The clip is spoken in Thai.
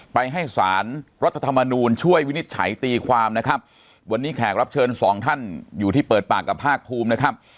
ไปให้สารรัฐธรรมนูญช่วยวินิจฉัยตีความนะครับวันนี้แขกรับเชิญสองท่านอยู่ที่เปิดปากกับภาคภูมินะครับ